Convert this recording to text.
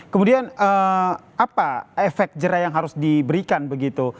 kemudian apa efek jerai yang harus diberikan begitu